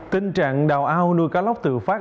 tình trạng đào ao nuôi cá lóc tự phát